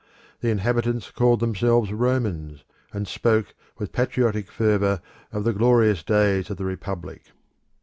The inhabitants called themselves Romans, and spoke with patriotic fervour of the glorious days of the Republic.